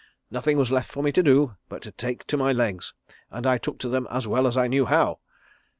Nothing was left for me to do but to take to my legs, and I took to them as well as I knew how.